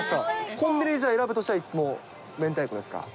コンビニで選ぶとしたらいつも明太子ですか？